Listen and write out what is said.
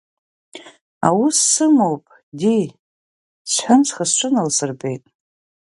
Аус сымоуп, ди, — сҳәан, схы-сҿы налсырбеит.